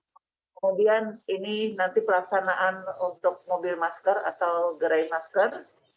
kemudian ini nanti pelaksanaan untuk mobil masker atau gerai masker